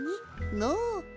のう？